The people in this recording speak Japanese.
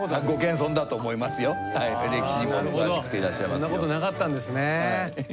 そんなことなかったんですね。